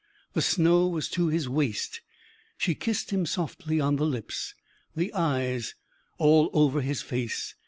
The snow was to his waist.... She kissed him softly on the lips, the eyes, all over his face.